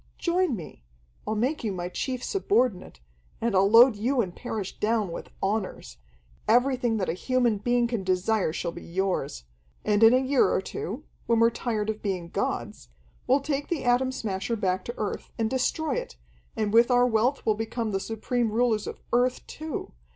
Join me. I'll make you my chief subordinate, and I'll load you and Parrish down with honors. Everything that a human being can desire shall be yours. And in a year or two, when we're tired of being gods, we'll take the Atom Smasher back to Earth and destroy it, and with our wealth we'll become the supreme rulers of Earth too.